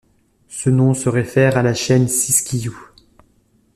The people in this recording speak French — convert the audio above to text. Son nom se réfère à la chaîne Siskiyou.